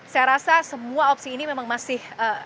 saya rasa semua opsi ini memang masih